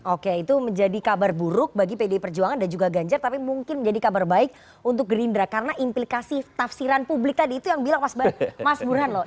oke itu menjadi kabar buruk bagi pdi perjuangan dan juga ganjar tapi mungkin menjadi kabar baik untuk gerindra karena implikasi tafsiran publik tadi itu yang bilang mas burhan loh